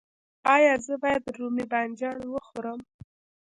ایا زه باید رومی بانجان وخورم؟